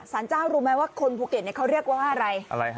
สารเจ้ารู้ไหมว่าคนภูเก็ตเขาเรียกว่าอะไรฮะ